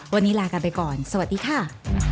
วันนี้ลากันไปก่อนสวัสดีค่ะ